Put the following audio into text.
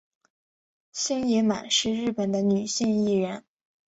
星野满是日本的女性艺人。